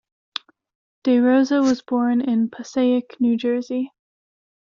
DeRosa was born in Passaic, New Jersey.